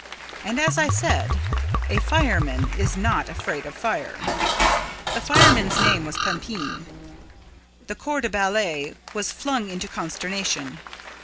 And, as I said, a fireman is not afraid of fire. The fireman's name was Pampin. The corps de ballet was flung into consternation.